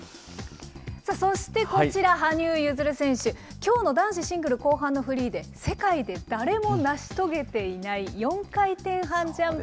そしてこちら、羽生結弦選手、きょうの男子シングル後半のフリーで、世界で誰も成し遂げていない４回転半ジャンプ。